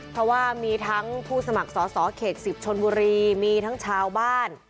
เพราะว่ามีทั้งผู้สมัครสอสอเขต๑๐ชนบุรีมีทั้งชาวบ้าน